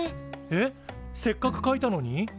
えっせっかく書いたのに？